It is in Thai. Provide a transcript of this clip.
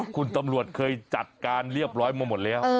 คุณตำรวจเคยจัดการเรียบร้อยมาหมดแล้ว